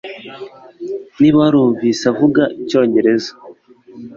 Niba warumvise avuga icyongereza